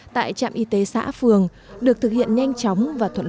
tại trạm y tế xã phường được thực hiện nhanh chóng